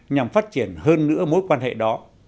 nhằm phát triển hơn nữa mối quan hệ đó